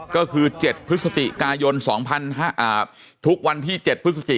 ก็คือเจ็ดพฤษฐิกายนสองพันห้าอ่าทุกวันที่เจ็ดพฤษฐิ